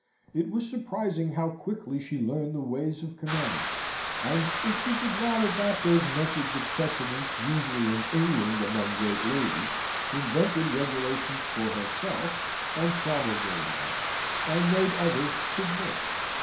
It was surprising how quickly she learned the ways of command; and, if she did not adopt those methods of precedence usual in England among great ladies, invented regulations for herself, and promulgated them, and made others submit.